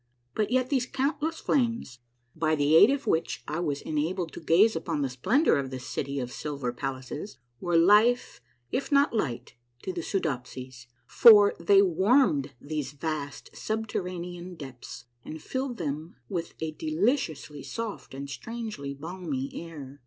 But yet these countless flames, by the aid of which I was enabled to gaze upon the splendor of this city of silver palaces, were life if not light to the Soodopsies, for they warmed these vast subterranean depths and filled them with a deliciously soft and strangely balmy air.